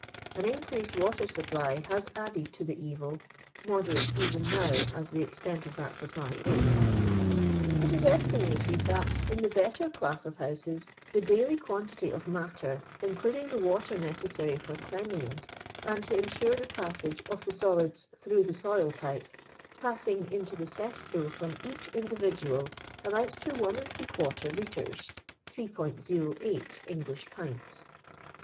An increased water supply has added to the evil, inoderate even now as the extent of that supply is." It is estimated that, in the better class of houses, the daily quantity of matter, including the water necesaaiy for cleanliness and to ensure the passage of Ike solids through the soil pipe, passing into the cesspoel from each individual, amounts to If litre (3'08 English pints).